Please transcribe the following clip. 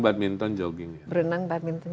badminton jogging berenang badminton